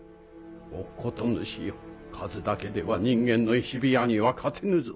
乙事主よ数だけでは人間の石火矢には勝てぬぞ。